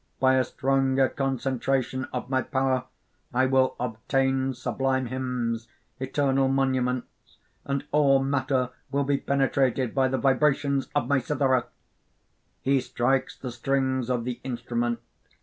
"By a stronger concentration of my power, I will obtain sublime hymns, eternal monuments; and all matter will be penetrated by the vibrations of my cithara!" (_He strikes the strings of the instrument.